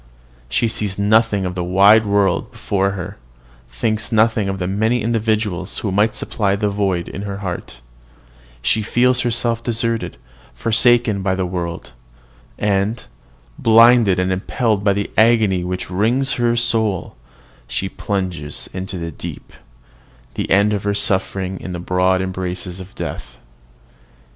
She sees nothing of the wide world before her, thinks nothing of the many individuals who might supply the void in her heart; she feels herself deserted, forsaken by the world; and, blinded and impelled by the agony which wrings her soul, she plunges into the deep, to end her sufferings in the broad embrace of death.